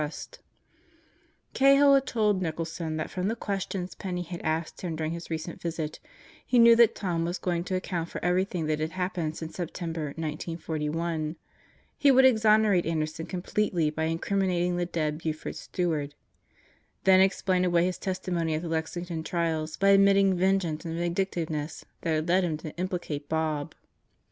150 Out of the Devifs Clutches 151 Cahill had told Nicholson that from the questions Penney had asked him during his recent visit, he knew that Tom was going to account for everything that had happened since Septem ber, 1941. He would exonerate Anderson completely by in criminating the dead Buford Steward; then explain away his testimony at the Lexington trials by admitting vengeance and vindictiveness had led him to implicate Bob.